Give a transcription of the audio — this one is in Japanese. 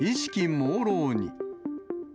もうろうに。